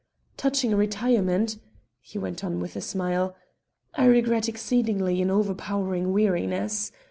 Touching retirement " he went on with a smile "I regret exceedingly an overpowering weariness.